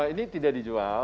ini tidak dijual